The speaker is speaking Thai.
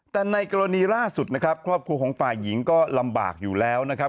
แต่ในกรณีล่าสุดนะครับครอบครัวของฝ่ายหญิงก็ลำบากอยู่แล้วนะครับ